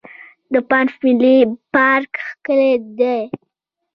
د بانف ملي پارک ښکلی دی.